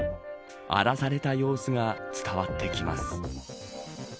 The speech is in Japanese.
荒らされた様子が伝わってきます。